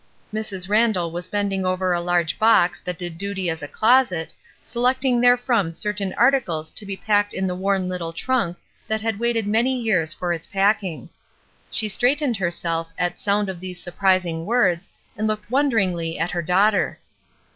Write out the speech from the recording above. '' Mrs. Randall was bending over a large box that did duty as a closet, selecting therefrom certain articles to be packed in the worn little trunk that had waited many years for its packing. She straightened herself at sound of these surprising words and looked wonderingly at her daughter.